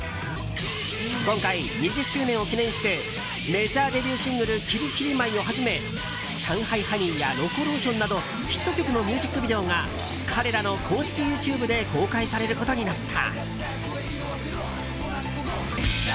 今回、２０周年を記念してメジャーデビューシングル「キリキリマイ」をはじめ「上海ハニー」や「ロコローション」などヒット曲のミュージックビデオが彼らの公式ＹｏｕＴｕｂｅで公開されることになった。